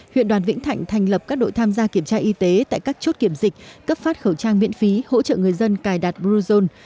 huyện đoàn vĩnh thạnh thành lập các đội tham gia kiểm tra y tế tại các chốt kiểm dịch cấp phát khẩu trang miễn phí hỗ trợ người dân cài đặt bluezone